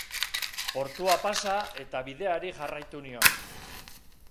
Portua pasa eta bideari jarraitu nion.